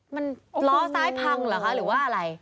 เลนด์ล้อซายพังหรอกค่ะหรือว่าอะไร